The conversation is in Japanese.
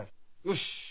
よし！